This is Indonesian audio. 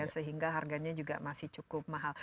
sehingga harganya juga masih cukup mahal